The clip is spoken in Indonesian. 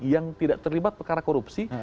yang tidak terlibat perkara korupsi